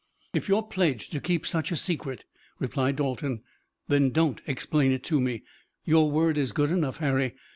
"If you are pledged to keep such a secret," replied Dalton, "then don't explain it to me. Your word is good enough, Harry.